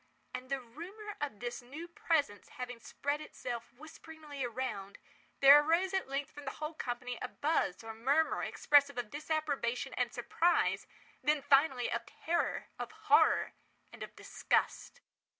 And the rumour of this new presence having spread itself whisperingly around, there arose at length from the whole company a buzz, or murmur, expressive of disapprobation and surprise—then, finally, of terror, of horror, and of disgust.